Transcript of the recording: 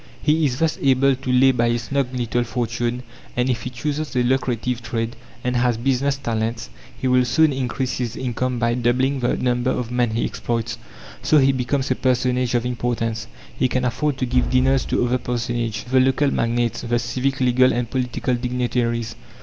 He is thus able to lay by a snug little fortune; and if he chooses a lucrative trade, and has "business talents," he will soon increase his income by doubling the number of men he exploits. So he becomes a personage of importance. He can afford to give dinners to other personages to the local magnates, the civic, legal, and political dignitaries.